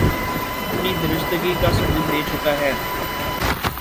اپنی درستگی کا ثبوت دے چکا ہے